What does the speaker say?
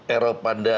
eropa dan indonesia